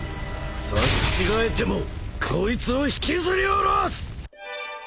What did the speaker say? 刺し違えてもこいつを引きずり下ろす！